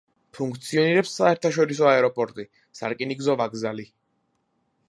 ფუნქციონირებს საერთაშორისო აეროპორტი, სარკინიგზო ვაგზალი.